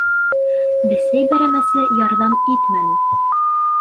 Бесәй бәрәмәсе ярҙам итмәне.